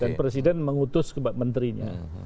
dan presiden mengutus ke menterinya